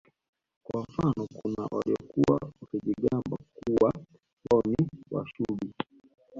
Kwa mfano kuna waliokuwa wakijigamba kuwa wao ni Washubi